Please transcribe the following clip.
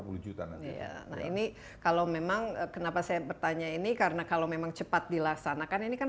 iya nah ini kalau memang kenapa saya bertanya ini karena kalau memang cepat dilaksanakan ini kan